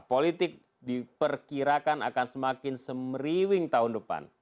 politik diperkirakan akan semakin semriwing tahun depan